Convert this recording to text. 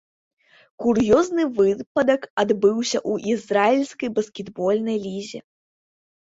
Кур'ёзны выпадак адбыўся ў ізраільскай баскетбольнай лізе.